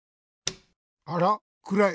あら？くらい。